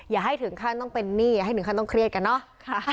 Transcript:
อย่าให้ถึงขั้นต้องเป็นหนี้อย่าให้ถึงขั้นต้องเครียดกันเนอะ